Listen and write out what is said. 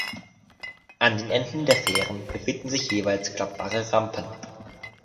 An den Enden der Fähren befinden sich jeweils klappbare Rampen.